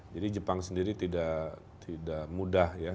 jadi jepang sendiri tidak mudah ya